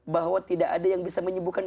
bahwa tidak ada yang bisa menyebuhkan